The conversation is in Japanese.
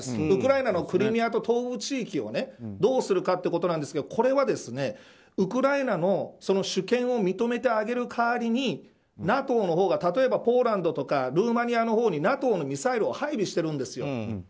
ウクライナのクリミアと東部地域をどうするかということですがこれはウクライナの主権を認めてあげる代わりにＮＡＴＯのほうが例えばポーランドとかルーマニアのほうにＮＡＴＯのミサイルを配備してるんです。